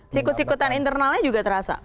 sikut sikutan internalnya juga terasa